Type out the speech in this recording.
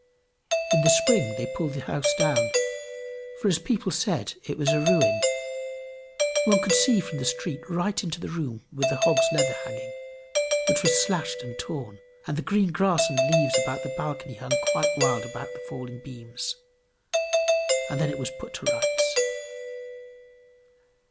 In the spring they pulled the house down, for, as people said, it was a ruin. One could see from the street right into the room with the hog's leather hanging, which was slashed and torn; and the green grass and leaves about the balcony hung quite wild about the falling beams. And then it was put to rights.